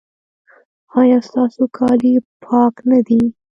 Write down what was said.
ایا ستاسو کالي پاک نه دي؟